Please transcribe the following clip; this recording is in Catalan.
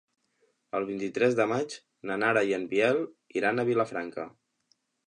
El vint-i-tres de maig na Nara i en Biel iran a Vilafranca.